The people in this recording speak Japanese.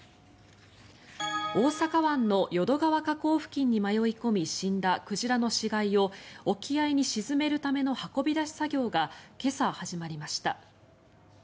大阪湾の淀川河口付近に迷い込み死んだ鯨の死骸を沖合に沈めるための運び出し作業が今朝、始まりました。